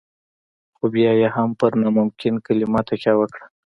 خو بيا يې هم پر ناممکن کلمه تکيه وکړه.